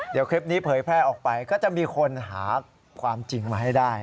เดี๋ยวคลิปนี้เผยแพร่ออกไปก็จะมีคนหาความจริงมาให้ได้